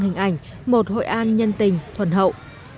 hình ảnh một hội an nhân tình thuần hậu